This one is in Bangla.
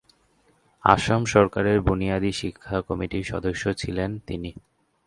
আসাম সরকারের বুনিয়াদি শিক্ষা কমিটির সদস্য ছিলেন তিনি।